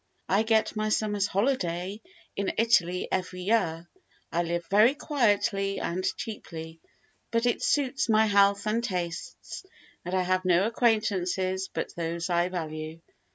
"I get my summer's holiday in Italy every year; I live very quietly and cheaply, but it suits my health and tastes, and I have no acquaintances but those I value.